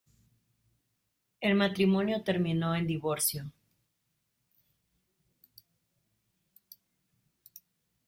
El matrimonio terminó en divorcio.